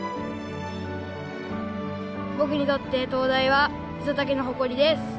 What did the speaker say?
僕にとって灯台は五十猛の誇りです。